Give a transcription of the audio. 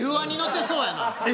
Ｆ１に乗ってそうやな。